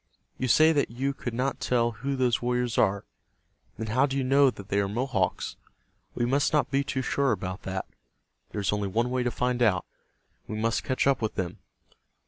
You say that you could not tell who those warriors are. Then how do you know that they are Mohawks? We must not be too sure about that. There is only one way to find out. We must catch up with them.